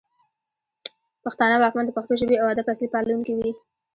پښتانه واکمن د پښتو ژبې او ادب اصلي پالونکي وو